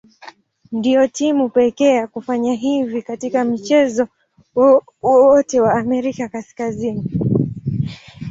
Ndio timu pekee ya kufanya hivi katika mchezo wowote wa Amerika Kaskazini.